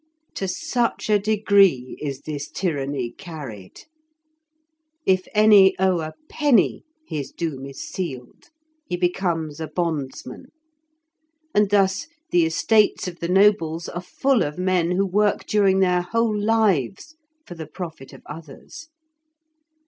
To such a degree is this tyranny carried! If any owe a penny, his doom is sealed; he becomes a bondsman, and thus the estates of the nobles are full of men who work during their whole lives for the profit of others.